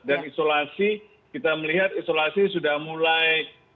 dan isolasi kita melihat isolasi sudah mulai